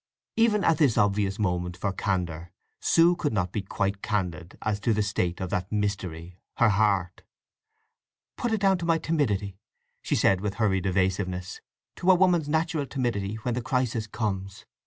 Even at this obvious moment for candour Sue could not be quite candid as to the state of that mystery, her heart. "Put it down to my timidity," she said with hurried evasiveness; "to a woman's natural timidity when the crisis comes.